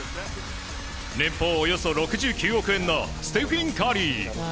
年俸およそ６９億円のステフィン・カリー。